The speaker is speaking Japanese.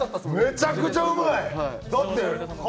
めちゃくちゃうまい！